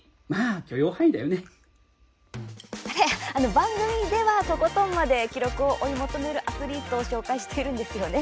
番組ではとことんまで記録を追い求めるアスリートを紹介してるんですよね。